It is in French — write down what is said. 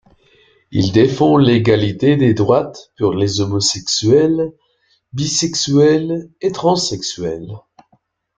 Il défend l'égalité des droits pour les homosexuels, bisexuels et transsexuels.